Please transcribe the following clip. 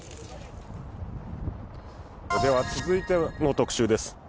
続いての特集です。